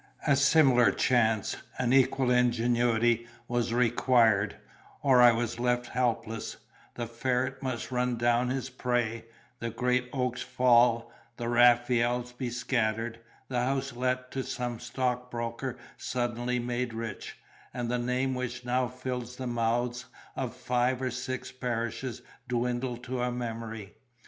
A similar chance, an equal ingenuity, was required; or I was left helpless, the ferret must run down his prey, the great oaks fall, the Raphaels be scattered, the house let to some stockbroker suddenly made rich, and the name which now filled the mouths of five or six parishes dwindle to a memory.